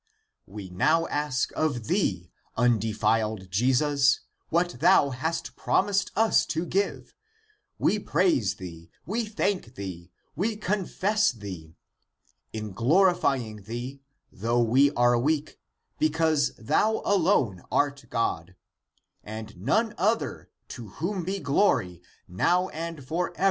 ^^^ We now ask (of thee) undefiled Je sus/^^ what thou hast promised us ^^^ to give; we praise thee, we thank thee, we confess thee, in glori fying thee, though we are weak, because thou alone art God,^ ^ and none other, to whom be glory ^^^ now and for ever.